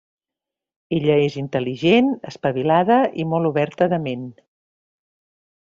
Ella és intel·ligent, espavilada i molt oberta de ment.